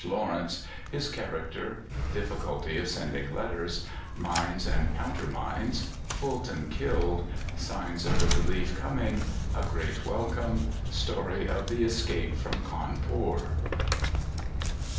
Lawrence His character Difficulty of sending letters Mines and counter mines Fulton killed Signs of the relief coming A great welcome Story of the escape from Cawnpore.